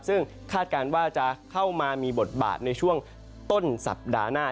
ซึ่งคาดการณ์ว่าจะเข้ามามีบทบาทในช่วงต้นสัปดาห์หน้า